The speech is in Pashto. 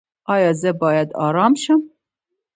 ایا زه باید ارام شم؟